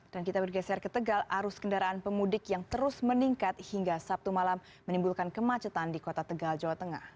dan kita bergeser ke tegal arus kendaraan pemudik yang terus meningkat hingga sabtu malam menimbulkan kemacetan di kota tegal jawa tengah